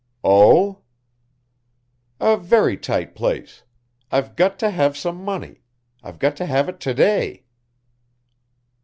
"Oh!" "A very tight place. I've got to have some money I've got to have it to day."